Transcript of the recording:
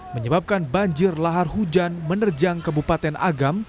menyebabkan banjir lahar hujan menerjang kebupaten agam